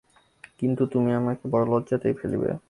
কিন্তু তুমি আমাকে বড়ো লজ্জাতেই ফেলিবে।